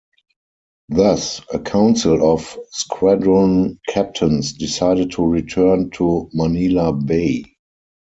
Thus a council of squadron captains decided to return to Manila Bay.